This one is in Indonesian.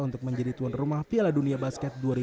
untuk menjadi tuan rumah piala dunia basket